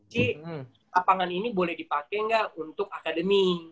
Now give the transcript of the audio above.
ci lapangan ini boleh dipake gak untuk akademi